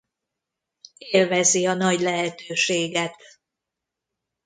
Élvezi a nagy lehetőséget.